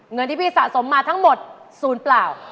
เงินที่พี่สะสมมาทั้งหมดศูนย์เปล่า